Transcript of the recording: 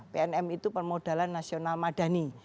pnm itu permodalan nasional madani